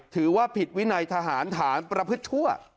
ถือว่าผิดวินัยทหารฐานประพฤติชั่ว